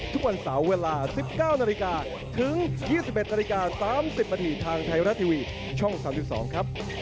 ทุกวันเสาร์เวลา๑๙นาฬิกาถึง๒๑นาฬิกา๓๐นาทีทางไทยรัฐทีวีช่อง๓๒ครับ